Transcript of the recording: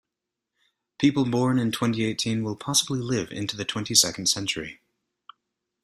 People born in twenty-eighteen will possibly live into the twenty-second century.